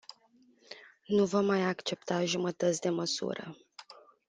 Nu vom mai accepta jumătăți de măsură.